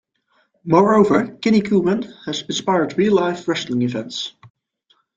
Moreover, "Kinnikuman" has inspired real life wrestling events.